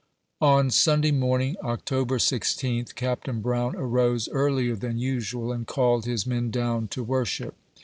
On Sunday morning, October 16th, Captain Brown arose earlier than usual, and called his men down to worship.